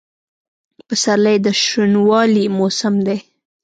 پسرلی د شنوالي موسم دی.